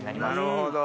なるほど。